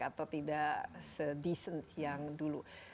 atau tidak sedesent yang dulu